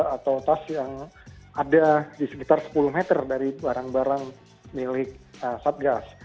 atau tas yang ada di sekitar sepuluh meter dari barang barang milik satgas